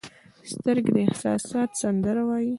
سترګې د احساسات سندره وایي